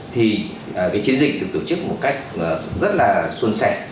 thì cái chiến dịch được tổ chức một cách rất là xuân sẻ